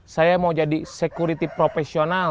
saya mau jadi security profesional